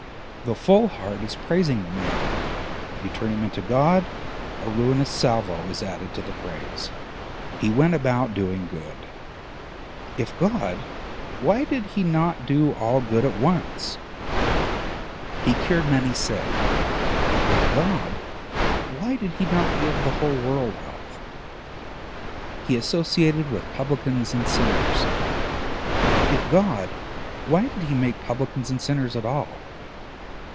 The full heart is praising the man; you turn him into God, a ruinous salvo is added to the praise. He went about doing good: if God, why did he not do all good at once? He cured many sick: if God, why did he not give the whole world health? He associated with publicans and sinners: if God, why did he make publicans and sinners at all?